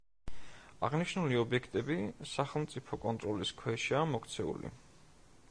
აღნიშნული ობიექტები სახელმწიფო კონტროლის ქვეშაა მოქცეული.